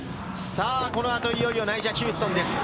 この後、いよいよナイジャ・ヒューストンです。